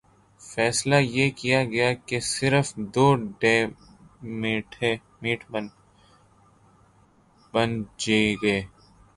فیصلہ یہ کیا گیا کہہ صرف دو ڈے میٹھ بن ج گے